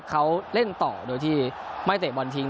เขาเล่นต่อโดยที่ไม่เตะบอลทิ้ง